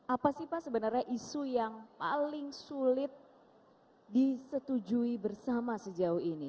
apa sih pak sebenarnya isu yang paling sulit disetujui bersama sejauh ini